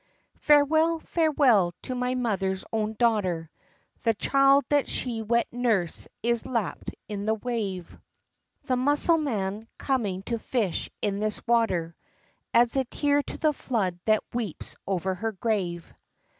Farewell, farewell, to my mother's own daughter. The child that she wet nursed is lapp'd in the wave; The _Mussul_man, coming to fish in this water, Adds a tear to the flood that weeps over her grave.